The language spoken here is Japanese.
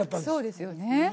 そうですよね。